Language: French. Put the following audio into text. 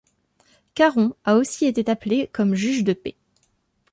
Caron a aussi été appelé comme juge de paix.